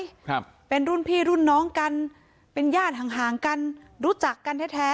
ครับเป็นรุ่นพี่รุ่นน้องกันเป็นญาติห่างห่างกันรู้จักกันแท้แท้